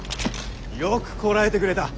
よくこらえてくれた。